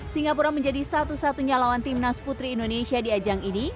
singapura menjadi satu satunya lawan timnas putri indonesia di ajang ini